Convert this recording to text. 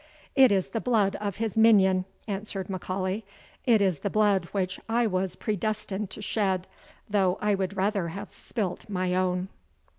"It is the blood of his minion," answered M'Aulay "It is the blood which I was predestined to shed, though I would rather have spilt my own."